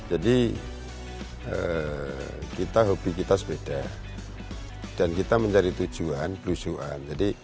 jadi kita hobi kita sepeda dan kita mencari tujuan berusukan